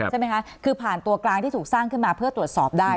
ใช่ไหมคะคือผ่านตัวกลางที่ถูกสร้างขึ้นมาเพื่อตรวจสอบได้